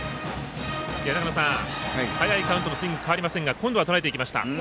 早いカウントのスイング変わりませんが今度はとらえていきました。